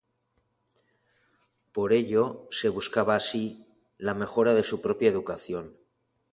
Por ello, se buscaba así, la mejora de su propia educación.